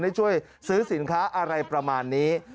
ได้ช่วยซื้อสินค้าอะไรประมาณนี้